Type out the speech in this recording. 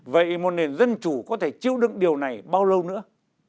vậy một nền dân chủ có thể chịu đựng điều này bao lâu nữa